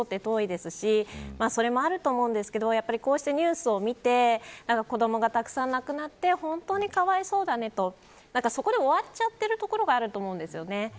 地理的に、中東は遠いですしそれもあると思うんですけどこうしたニュースを見て子どもがたくさん亡くなって本当にかわいそうだねとそこで終わっちゃってるところがあると思うんですね。